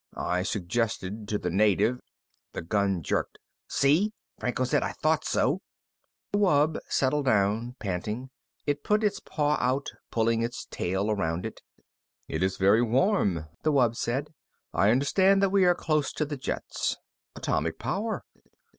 I suggested to the native " The gun jerked. "See," Franco said. "I thought so." The wub settled down, panting. It put its paw out, pulling its tail around it. "It is very warm," the wub said. "I understand that we are close to the jets. Atomic power.